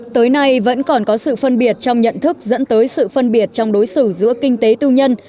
tới nay vẫn còn có sự phân biệt trong nhận thức dẫn tới sự phân biệt trong đối xử giữa kinh tế tư nhân